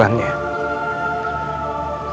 aku akan melakukan itu